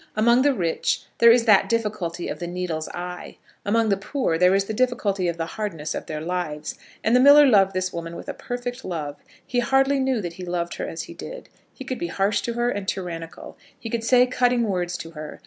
Among the rich there is that difficulty of the needle's eye; among the poor there is the difficulty of the hardness of their lives. And the miller loved this woman with a perfect love. He hardly knew that he loved her as he did. He could be harsh to her and tyrannical. He could say cutting words to her.